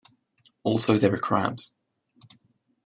Also there are crabs.